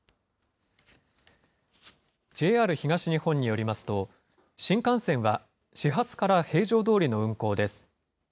ＪＲ東日本によりますと、新幹線は始発から平常どおりの運行です。